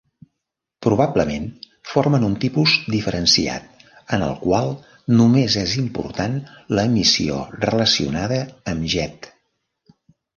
Probablement, formen un tipus diferenciat en el qual només és important l'emissió relacionada amb jet.